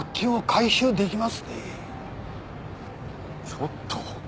ちょっと。